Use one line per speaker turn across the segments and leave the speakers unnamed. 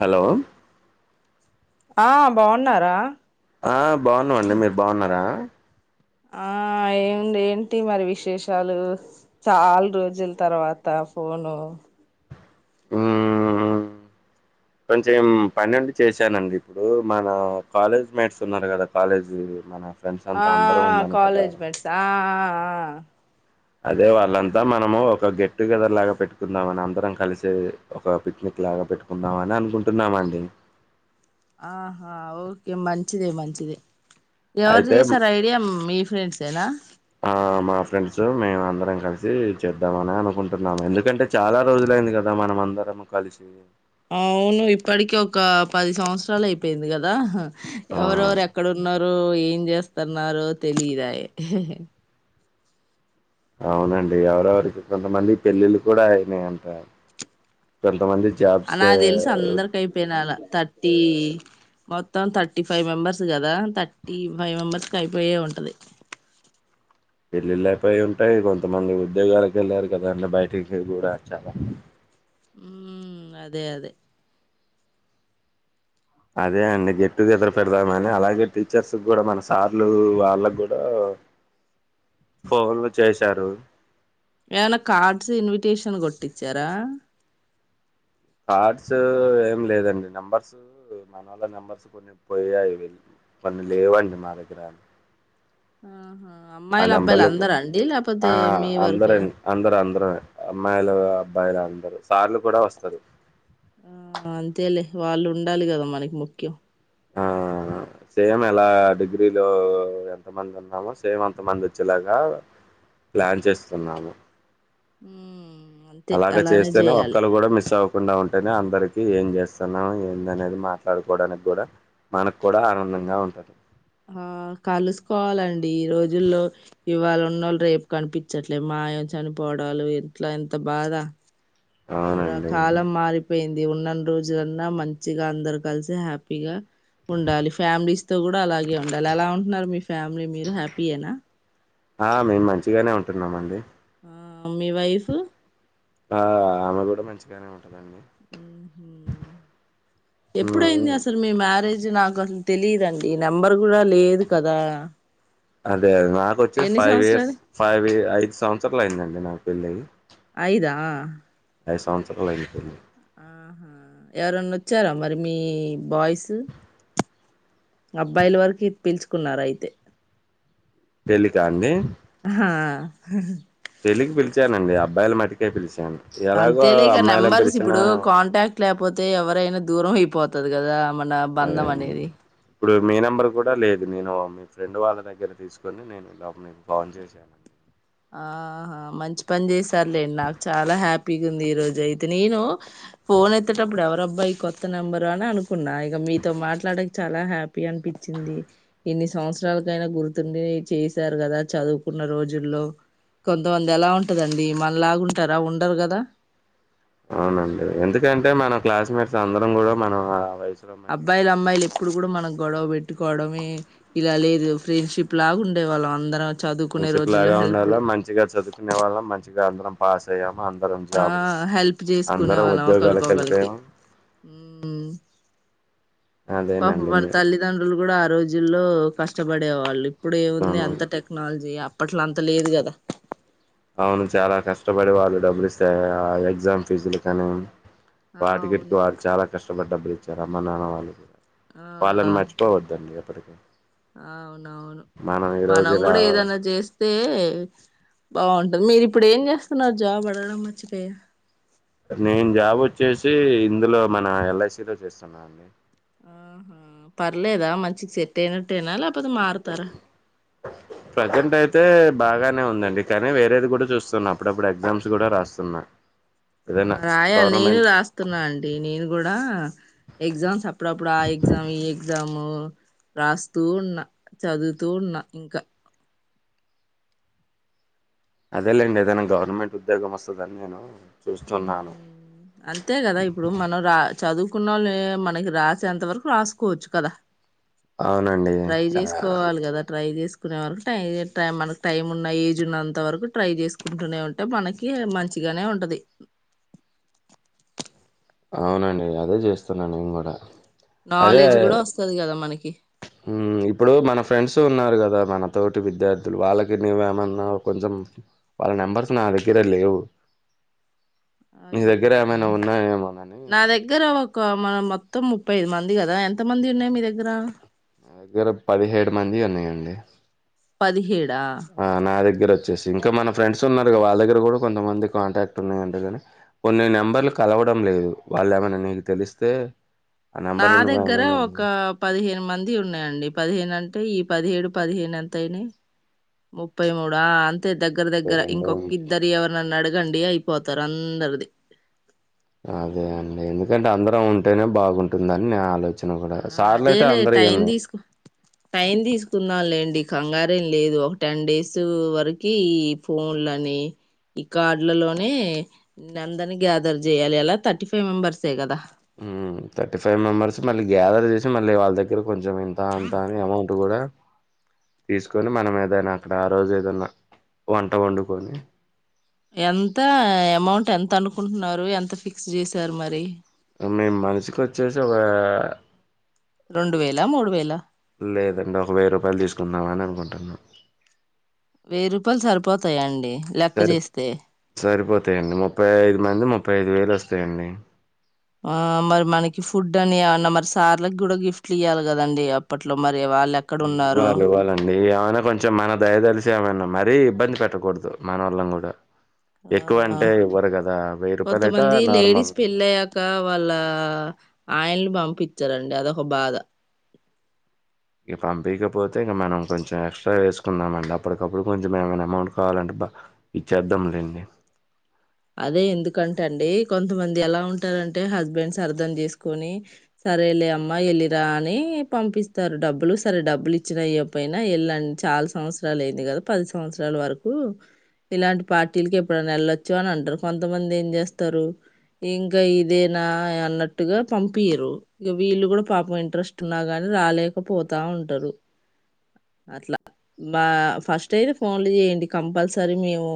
Hello
ఆ బాగున్నారా
ఆ బాగున్నామండి మీరు బాగున్నారా
ఆ ఏంది ఏంటి మరి విశేషాలు చాలా రోజుల తర్వాత ఫోను
మ్మ్ కొంచెం పనుండి చేశానండి ఇప్పుడు మన కాలేజ్ మేట్స్ ఉన్నారు కదా కాలేజీ మన ఫ్రెండ్స్
ఆ
అంతా అందరం ఉన్నాము కదా
కాలేజ్ బెట్సా ఆ ఆ
అదే వాళ్ళంతా మనము ఒక గెట్టుగెదర్ లాగా పెట్టుకుందాం అని అందరం కలిసి ఒక పిక్నిక్ లాగా పెట్టుకుందామ అని అనుకుంటున్నామండి.
ఆహా ఓకే మంచిదే మంచిదే ఎవరు
అయితే
చేసారు ఐడియా మీ ఫ్రెండ్సేనా
ఆ మా ఫ్రెండ్స్ మేము అందరం కలిసి చేద్దామ అని అనుకుంటున్నాము ఎందుకంటే చాలా రోజులైంది కదా మనం అందరం కలిసి
అవును ఇప్పటకె ఒక పది సంవత్సరాలు అయిపోయింది కదా
ఆ
ఎవరెవరు ఎక్కడ ఉన్నారు ఏం చేస్త వస్తన్నారు తెలిదాయే
అవునండి ఎవరెవరికి కొంతమంది పెళ్ళిళ్ళలు కూడా అయినాయి అంటారు కొంతమంది జాబ్స్ కి
నాకి తెలిసి అందర కైపోయినాల తట్ థర్టీ మొత్తం థర్టీ ఫైవ్ మెంబర్స్ కదా థర్టీ ఫైవ్ మెంబర్స్కి అయిపోయే ఉంటది
పెళ్ళిళ్ళపోయి ఉంటాయి కొంతమంది ఉద్యోగాలకి వెళ్ళారు కదా అంటే బయటికి కూడా చాలా
హ్మ్ అదే అదే
అదే అండి గెట్ టుగెదర్ పెడదామని అలాగే టీచర్స్ కూడా మన సార్లు వాళ్ళకు కూడా ఫోన్లు చేసారు
ఏమైనా కార్డ్స్ ఇన్విటేషన్ కొట్టిచ్చారా
కార్డ్స్ ఏం లేదండి నెంబర్స్ మన వాల్ల నెంబర్స్ కొన్ని పోయాయి కొన్ని లేవండి మా దగ్గర
హ్మ హు
ఆ నెంబర్లు ఆ
మీ వరకే ఆ
అందరండి అందరు అందరం అమ్మాయిలు అబ్బాయిలు అందరూ సార్లు కూడా వస్తారు
ఆ అంతేలే వాళ్ళు ఉండాలి కదా మనకి ముఖ్యం
ఆ సేమ్ ఎలా డిగ్రీలో ఎంతమంది ఉన్నామో సేమ్ అంత మంది వచ్చేలాగా ప్లాన్ చేస్తున్నాము.
మ్మ్ అంతే
అలాగ
అలానే
చేస్తేనే
చేయాలి
ఒక్కళ్లు కూడా మిస్ అవ కుండా ఉంటేనే అందరికి ఏం చేస్తున్నాం ఏంద అనేది మాట్లాడుకోవడానికి కూడా మనకు కూడా ఆనందంగా ఉంటది
ఆ కలుసుకోవాలండి, ఈ రోజుల్లో ఇవాళ ఉన్న వాళ్ళు రేపు కనిపించట్లేదు మాయం చనిపోడాలు ఇట్లా ఎంత బాధ అ
అవునండి
కాలం మారిపోయింది ఇది ఉన్నన్నా రోజులన్నా మంచిగా అందరు కలిసి హ్యాపీగా ఉండాలి, ఫ్యామిలీస్ తో కూడా అలాగే ఉండాలి, ఎలా ఉంటున్నారు మీ ఫ్యామిలీ మీరు హ్యాపీయనా
ఆ మేము మంచిగానే ఉంటున్నామ అండి
ఆ మీ వైఫ్
ఆ ఆమె కూడా మంచిగానే ఉంటదండి మ్మ్
ఎప్పుడయింది అసలు మీ మ్యారేజ్ నాకు అసలు తెలిదుండి నెంబర్ కూడా లేదు కదా
అ అ నాక వచ్చి
ఎన్ని
ఫైవ్ ఇయర్స్
సంవత్సరాలు
ఫైవ్ ఇ అఐ సంవత్సరాలు అయిందండి నాకు పెళ్ళి అయి
అయిదా
ఐదు సంవత్సరలు అయ్యింది పెళ్లి
ఆహా ఎవరన్నా వచ్చారా మరి మీ బాయ్స్ అబ్బాయిల వరకు పిలుచుకున్నార అయితే
పెళ్లికా అండి
హా
పెళ్ళికి పిలిచానండి అబ్బాయిల మటికే పిలిచాను ఎలాగో
అంతే లేక
అమ్మాయిలను
నెంబర్స్
పిలిచినా
ఇప్పుడు కాంటాక్ట్ లేకపోతే ఎవరై దూరం అయిపోతుది కదా మన
అదే
బంధం
అండి
అనేది
ఇప్పుడు మీ నెంబర్ కూడా లేదు నేను మీ ఫ్రెండ్ వాళ్ళ దగ్గర తీసుకొని నేను లోప మీకు ఫోన్ చేశానండి
ఆహా మంచి పని చేసారులేం నాకు చాలా హ్యాపీగా ఉంది ఈ రోజు అయితే నేను ఫోన్ ఎతేేటప్పుడు ఎవర అబ్బాయి కొత్త నెంబరు అని అనుకున్నా, ఇక మీతో మాట్లాడక చాలా హ్యాపీ అనిపించింది, ఇన్ని సంవత్సరాలకైనా గుర్తుండి చేసారు కదా చదువుకున్న రోజుల్లో కొంతమంది ఎలా ఉంటదండి మన లాగుంటారా ఉండరు కదా
అవునండి ఎందుకంటే మన క్లాస్మేట్స్ అందరం కూడా మనం వయసులో మంచిగా
అబ్బాయిలు అమ్మాయిలు ఎప్పుడు కూడా మనం గొడవ పెట్టుకోవడమే ఇలా లే చదువుకునే
ప్రిన్సిపుల్
రోజుల్లో
లాగా
హెల్ప్
ఉంలో మంచిగా చదువుకునే వాళ్ళం మంచిగా అందరం పాస్ ఆయమ అ
ఆ హెల్ప్ చేసుకునే వాళ్ళం
ఉద్యోగాలకు
ఒకలోకలికి
వెళ్ళిపోయాము
మ్ పప
అదేనండి
మన
మీరు
తల్లిదండ్రులు కూడా ఆ రోజుల్లో కష్టపడే వాళ్ళు ఇప్పుడు ఏముంది
అవును
అంత టెక్నాలజీ యాప్ అప్పట్లో అంత లేదు కదా
అవును చాలా కష్టపడి వాళ్ళు డబ్బులు ఇస్తా ఆ ఎగ్జామ్ ఫీజులు కానీ
ఆ
వాటికిడికి
అవును
వాళ్ళు చాలా కష్టపడ్డ జరా మనన వాళ్ళు కూడా
ఆ
పాలన మర్చిపోవద్దండి ఎప్పటికీ
అవునవును
ఈరోజు
మనం
ఇలా
కూడా ఏదనా చేస్తేయే బాగుంటుంది మీరు ఇప్పుడు ఏం చేస్తున్నారు జాబ్ అడగడం మర్చిపోయా
నేను జాబ్ వచ్చేసి ఇందులో మన ఎల్ఐసిలో చేస్తున్నాను
ఆహా పర్లేదా మంచికి సెట్ అయినట్టయేనా లే
ప్రజెంట్ అయితే బాగానే ఉందండి కానీ వేరేది కూడా చూస్తున్నా అప్పుడప్పుడు ఎగ్జామ్స్ కూడా రాస్తున్నా ఏదైనా
ఆ రాయాలి నేను
గవర్నమెంట్
రాస్తున్నా అండి నేను కూడా ఎగ్జామ్స్ అప్పుడప్పుడు ఆ ఎగ్జామ్ ఈ ఎగ్జామ్ రాస్తూ ఉన్న చదువుతూ ఉన్న ఇంకా
అదేలేండి ఏదైనా గవర్నమెంట్ ఉద్యోగం వస్తుందని నేను చూస్తున్నాను
అంతే కదా ఇప్పుడు మనం రా చదువు చదువుకునేల్లే వాళ్ళని మనకి రాసేంత వరకు రాసుకోవచ్చు కదా
అవునండి
ట్రై చేసుకోవాలి కదా ట్రై చేసుకో చదువుకునే వరకు టై టై మనకు టైం ఉన్న ఏజ్ ఉన్నంత వరకు ట్రై చేసుకుంటూనే ఉంటే మనకి మంచిగానే ఉంటాది
అవునండి అదే చేస్తున్నా నేను కూడా అదే
నాలెడ్జ్ కూడా వస్తాది కదా మనకి
ఇప్పుడు మన ఫ్రెండ్స్ ఉన్నారు కదా మనతోటి విద్యార్థులు వాళ్ళకి నువ్వేమన్నా కొంచెం వాళ్ళ నెంబర్స్ నా దగ్గర లేవు నీ దగ్గర
అయ్యో
ఏమైనా ఉన్నాయేమోనని
నా దగ్గర మన మొత్తం ముప్పై ఐదు మంది కదా ఎంత మంది ఉన్నాయి మీ దగ్గర
దగ్గర పదిహేడు మంది ఉన్నాయండి
పదిహేడు
ఆ నాదే దగ్గర వచ్చేసి ఇంకా మన ఫ్రెండ్స్ ఉన్నారుగా వాళ్ళ దగ్గర కూడా కొంతమంది కాంటాక్ట్ ఉన్నాయింటేగాని కొన్ని నెంబర్లు కలవడం లేదు వాళ్ళు ఏమైన్నా నీకు తెలిస్తే ఆ
నా
నెంబర్లు
దగ్గర
నువ్వేమన్నా
ఒక పదిహేను మంది ఉన్నాయండి. పదిహేను అంటే ఈ పదిహేడు పదిహేను ఎంతయినా ముప్పై మూడు అంత దగ్గర దగ్గర
రెండు
ఇంకొక్కిద్దరి ఎవరనా నడి అగండి అయిపోతారు అందరిది
అదే అండి ఎందుకంటే అందరం ఉంటేనే బాగుంటుందని. నేను ఆలోచ
ఆ అదేలే టైం తీసుకు టైం తీసుకున్నా లేండి కంగారు సరేం లేదు ఒక టెన్ డేస్ వరకు ఈ ఫోన్లని ఈ కార్డులలోనే న అందరినీ గ్యాదర్ చేయాలి. అలా థర్టీ ఫైవ్ మెంబర్సే కదా.
థర్టీ ఫైవ్ మెంబర్స్ మళ్ళీ గ్యాదర్ చేసి మళ్ళీ వాళ్ళ దగ్గర కొంచెం ఎంత అంతా అని అమౌంట్ కూడా తీసుకొని. మనం ఏదైనా అక్కడ ఆ రోజు ఏదన్నా వంట వండుకొని.
ఎంత అమౌంట్ ఎంత? తనుకుంటున్నారు ఎంత ఫిక్స్ చేశారు మరి.
మేము మనిషకిచ్చేసి ఒక
రెండు వేలా మూడు వేలా
లేదండి ఒక వెయ్యి రూపాయలు తీసుకుందాం అని కుంటున్నా
వెయ్యి రూపాయలు సరిపోతాయా అండి లెక్క
సరి
చేస్తే
సరిపోతాయండి ముప్పై ఐదు మంది ముప్పై ముప్పై ఐదు వేలు వస్తాయండి.
ఆ మరి మనకి ఫుడ్ అని ఏమన్నా మరి సార్లకి కూడా గిఫ్ట్లు ఇయ్వాలి కదండి అప్పట్లో మరి. వాళ్ళు ఎక్కడున్నారో
ఇవ్వాల ఇవ్వాలండి కొంచెం మన దయ తెలిసి ఏమైన్నా మరీ ఇబ్బంది పెట్టకూడదు మన వల్లం కూడా ఎక్కువ
ఆ
అంటే ఇవ్వరు కదా వెయ్యి రూపాయలు అయితే
కొంతమంది లేడీస్
నార్మల్
పెళ్ళ అయ్యాక వాళ్ళ ఆయనలు పంపించ ఇచ్చారంండి అదొక బాధ
ఇక పంపకపోతే ఇక మనం కొంచెం ఎక్స్ట్రా వేసుకుందామ అండి. అప్పటికప్పుడు కొంచెం ఏమైనా అమౌంట్ కావాలంటే బ ఇచ్చేద్దాంలేండి.
అదే ఎందుకంట అండి కొంతమంది ఎలా ఉంటారంటే హస్బెండ్స్ అర్థం చేసుకొని సరేలే అమ్మా వెళ్ళిరా అని పంపిస్తారు డబ్బులు సరే డబ్బులు ఇచ్చిన అయపోయినా వెళ్ళండి చాలా సంవత్సరాలు అయింది. కదా పది సంవత్సరాల వరకు ఇలాంటి పార్టీలకి ఎప్పుడైనా వెళ్లొచ్చు. అని అంటారు కొంతమంది ఏం చేస్తారు ఇంకా ఇదేనా అన్నట్టుగా పంపయరు ఇక వీళ్ళు కూడా పాపం ఇంట్రెస్ట్ ఉన్నా కాని రాలేకపోతా ఉంటారు. అట్లా ఫస్ట్ అయితే ఫోన్లు చేయండి కంపల్సరీ మేము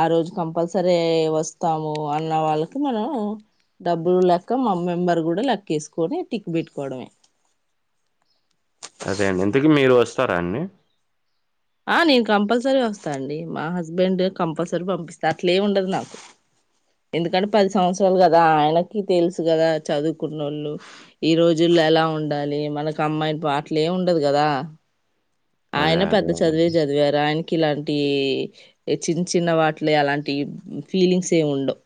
ఆ రోజు కంపల్సర. సరే వస్తాము అన్న వాళ్ళకి మనం డబ్బులు లెక్క మా మెంబర్ కూడా లెక్కేసుకొని టిక్ పెట్టుకోవడమే
అదే అండి ఎందుకు మీరు వస్తారా అన్నీ
ఆ నేను కంపల్సరీ వస్తా అండి మా హస్బెండ్ కంపల్సరీ పంపిస్తా అట్లే ఉండదు నాకు ఎందుకంటే పది సంవత్సరాలు కదా ఆయనకి తెలుసు కదా చదువుకున్నోళ్ళు ఈ రోజుల్లో ఎలా ఉండాలి మనకు అమ్మాయిని అట్లే ఉండదు కదా
అదే
ఆయన పెద్ద
అదే
చదివే చదివారు ఆయనకి ఇలాంటి చిన్న చిన్న వాటిలు అలాంటి ఫీలింగ్స్ ఏం ఉండవు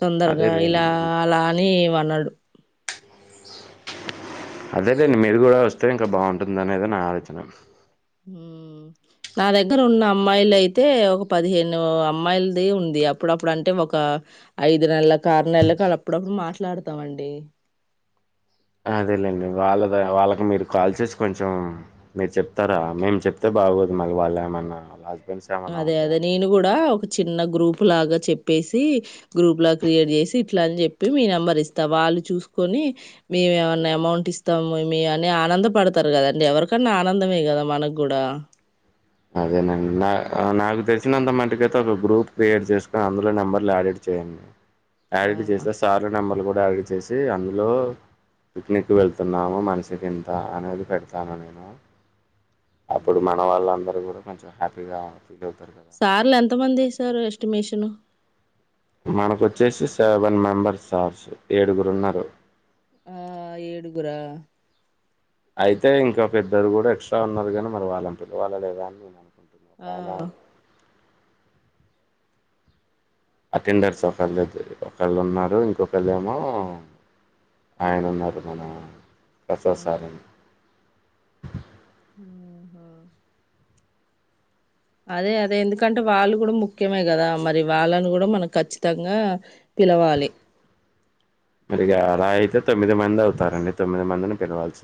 తొందరగా ఇలా
అదేలేండి
అలా అని వనడు
అదేలెండి మీరు కూడా వస్తే ఇంకా బాగుంటుందనేది నా ఆలోచన
మ్ నా దగ్గర ఉన్న అమ్మాయిలు అయితే ఒక పదిహేను అమ్మాయిలది ఉంది అప్పుడప్పుడు అంటే ఒక ఐదు నెలలకు ఆరు నెలలకు అప్పుడప్పుడు మాట్లాడుతాంమండి
అదేలేండి వాళ్ళద వాళ్ళకి మీరు కాల్ చేసి కొంచెం మీరు చెప్తారా మేము చెప్తే బాగోదు మళ్ళీ వాళ్ళు ఏమన్నా వాళ్
అదే అదే నేను కూడా ఒక చిన్న గ్రూప్ లాగా చెప్పేసి గ్రూప్ లా క్రియేట్ చేసి ఇట్లా అని చెప్పి మీ నెంబర్ ఇస్తా వాళ్ళు చూసుకొని మేమేమన్నా అమౌంట్ ఇస్తాము అని ఆనంద పడతారు కదండి ఎవరికన్నా ఆనందమే కదా మనకు కూడా
అదేనండి నా నాకు తెలిసినంత మటుకైతే ఒక గ్రూప్ క్రియేట్ చేసుకొని అందులో నెంబర్లు యాడిట్ చేయండి
ఆ
యాడిట్ చేస్తే సార్ నెంబర్లు కూడా డాడి చేసి అందులో పిక్నిక్ వెళ్తున్నాము మనిషికి ఇంత అనేది పెడతాను నేను అప్పుడు
హ్మ్.
మన వాళ్ళందరు కూడా కొంచెం హ్యాపీగా ఫీల్ అవుతారు కదా
సార్లు ఎంత మంది సారు ఎస్టిమేషను
మనకొచ్చేసి సెవెన్ మెంబర్ సార్స్ ఏడుగురున్నారు
ఆ ఏడుగురా
అయితే ఇంకా పెద్దరు కూడా ఎక్స్ట్రా ఉన్నారు కాగానీ మరి వాళ్ళం పిలవాళ్ళ గదా
ఆ
అటెండర్స్ ఒకళ్దు ఒకళ్ళు ఉన్నారు ఇంకొకళ ఏమో ఆయన ఉన్నారు మన
ఆ
ప్రసాద్ సారండి
ఆహా అదే అదే ఎందుకంటే వాళ్ళు కూడా ముఖ్యమే కదా మరి వాళ్ళను కూడా మనం ఖచ్చితంగా పిలవాలి
మరి అలా అయితే తొమ్మిది మంది అవుతారండి తొమ్మిది మందిని పిలవాల్సి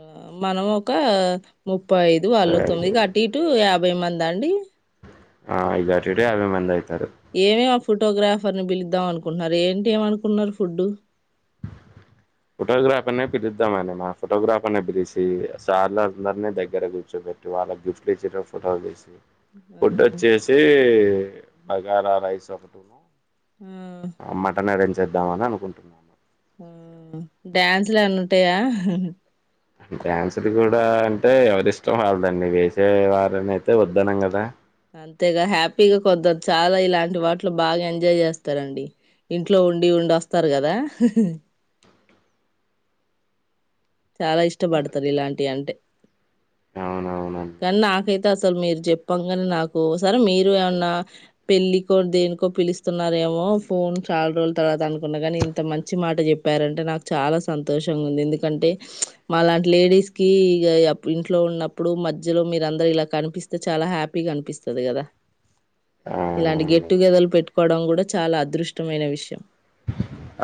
ఆ మనం ఒక ము ముప్పై ఐదు వాళ్ళు తొమ్మిది కి అటు ఇటు యాభై మంది ఎంద అండి
ఆ ఇటు అటిటుగా యాభై మంది అయి
ఏవే ఫోటోగ్రాఫర్ ని పిలుద్దాం అనుకున్నారు ఏంటి ఏమ అనుకున్నారు ఫుడ్
ఫోటోగ్రాఫర్నే పిలుద్దామని మా ఫొటోగ్రాఫర్ ని పిలిచి సార్ల అందరినీ దగ్గర కూర్చోపెట్టి వాళ్ళకి గిఫ్ట్లు ఇచ్చేట ఫోటోలు తీసి ఫుడ్ వొచ్చేసి బగారా రైస్ ఒకట్ ఆ మటన్ అరంజ్ చేద్దామ అని అనుకుంటున్నాము
డ్యాన్స్లు ఏమైనా ఉంటాయా
డ్యాన్సులు కూడా అంటే ఎవరిష్టం వాళ్ళదండి వేసే వారని అయితే వద్దనం కదా
అంతేగా హ్యాపీగా కొద్దదు చాలా ఇలాంటి వాటిలు బాగా ఎంజాయ్ చేస్తారండి ఇంట్లో ఉండి ఉండి వస్తారు కదా హుహు చాలా ఇష్టపడతారు ఇలాంటివి అంటే
అవునవునండి
అతే అసలు మీరు చెప్పంగాని నాకు సరే మీరు ఏమన్నా పెళ్ళకో దేనికో పిలుస్తున్నార ఏమో ఫోన్ చాలా రోజుల తర్వాత అనుకున్న కాని ఇంత మంచి మాట చెప్పారంటే నాకు చాలా సంతోషంగా ఉంది ఎందుకంటే మాలాంటి లేడీస్ కి ఇక ఇంట్లో ఉన్నప్పుడు మధ్యలో మీరందరు ఇలా కనిపిస్తే చాలా హ్యాపీగా కనిపిస్తది కదా
ఆ
ఇలాంటి గెట్ టుగెదర్లు పెట్టుకోవడం కూడా చాలా అదృష్టమైన విషయం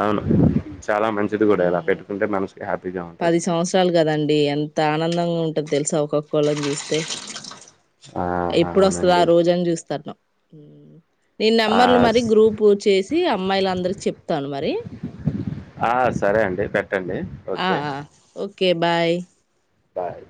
అవును చాలా మంచిది కూడా ఇలా పెట్టుకుంటే మనసు హ్యాపీగా ఉంది
పది సంవత్సరాలు కదం డి ఎంత ఆనందంగా ఉంటుది తెలుసా ఒకక్కొక్కళ్ళని చూస్తే
ఆ
ఎప్పుడొస్తద ఆ
అవునండి
రోజని చూస్తాన్నా ఏ నేను
ఆ
నెంబర్లు మరి గ్రూపు చేసి అమ్మాయిలుందరికి చెప్తాను మరి
ఆ! సరే అండి. పెట్టండి. ఓకే.
Okay bye
bye